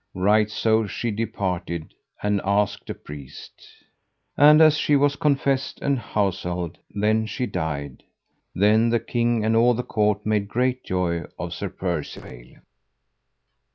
Right so she departed and asked a priest. And as she was confessed and houselled then she died. Then the king and all the court made great joy of Sir Percivale.